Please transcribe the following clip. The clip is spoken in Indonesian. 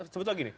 sebut lagi nih